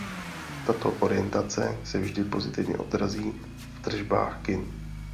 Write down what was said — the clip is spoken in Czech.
Tato orientace se vždy pozitivně odrazí v tržbách kin.